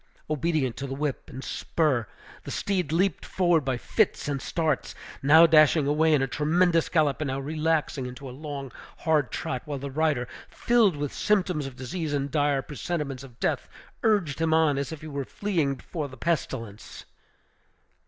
Obedient to the whip and spur, the steed leaped forward by fits and starts, now dashing away in a tremendous gallop, and now relaxing into a long, hard trot; while the rider, filled with symptoms of disease and dire presentiments of death, urged him on, as if he were fleeing before the pestilence.